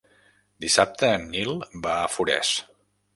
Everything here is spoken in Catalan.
Dissabte en Nil va a Forès.